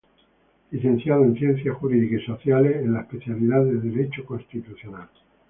Licenciado en Ciencias Jurídicas y Sociales en la especialidad de Derecho Constitucional.